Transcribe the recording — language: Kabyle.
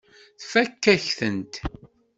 Tfakk-ak-tent.